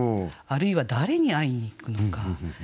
あるいは誰に会いに行くのか。